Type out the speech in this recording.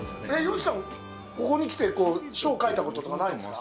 吉さん、ここに来て書を書いたこととかないんですか。